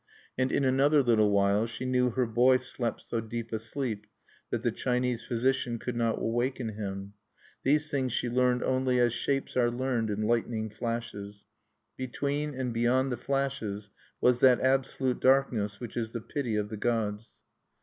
And in another little while she knew her boy slept so deep a sleep that the Chinese physician could not waken him. These things she learned only as shapes are learned in lightning flashes. Between and beyond the flashes was that absolute darkness which is the pity of the gods.